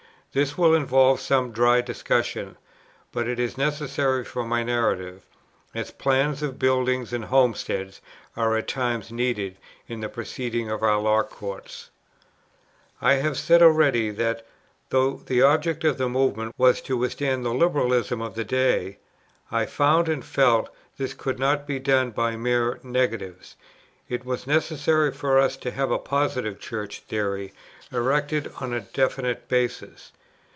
This will involve some dry discussion; but it is as necessary for my narrative, as plans of buildings and homesteads are at times needed in the proceedings of our law courts. I have said already that, though the object of the Movement was to withstand the Liberalism of the day, I found and felt this could not be done by mere negatives. It was necessary for us to have a positive Church theory erected on a definite basis.